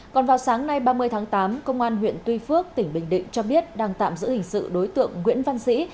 còn vào sáng nay ba mươi tháng tám công an huyện tuy phước tỉnh bình định cho biết đang tạm giữ hình sự đối tượng nguyễn văn sĩ